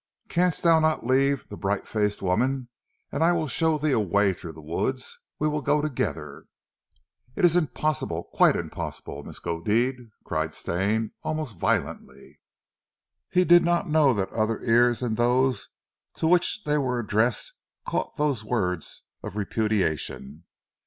"Canst thou not leave the bright faced woman, and I will show thee a way through the woods. We will go together " "It is impossible! Quite impossible, Miskodeed," cried Stane almost violently. He did not know that other ears than those to which they were addressed caught those words of repudiation.